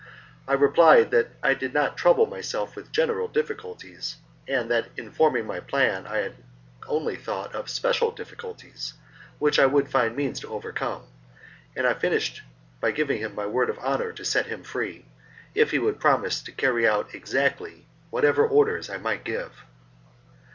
I replied that I did not trouble myself with general difficulties, and that in forming my plan I had only thought of special difficulties, which I would find means to overcome, and I finished by giving him my word of honour to set him free, if he would promise to carry out exactly whatever orders I might give.